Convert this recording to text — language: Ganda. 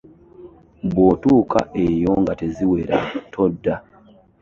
Bw'otuuka eyo nga teziwera todda.